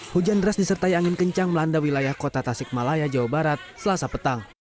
hujan deras disertai angin kencang melanda wilayah kota tasik malaya jawa barat selasa petang